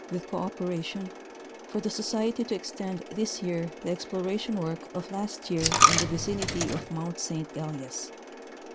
249 with cooperation, for the Society to extend this year the explo ration work of last year in the vicinity of Mount St. Elias.